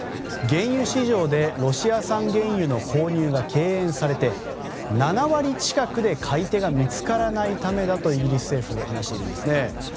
原油市場でロシア産原油の購入が敬遠されて７割近くで買い手が見つからないためだとイギリス政府が話しているんです。